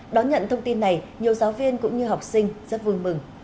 đón nhận thông tin này nhiều giáo viên cũng như học sinh rất vui mừng